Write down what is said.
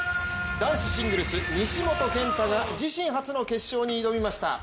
男子シングルス、西本拳太が自身初の決勝に挑みました。